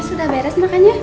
udah beres makannya